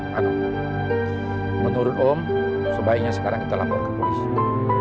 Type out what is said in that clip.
karena menurut om sebaiknya sekarang kita lapor ke polisi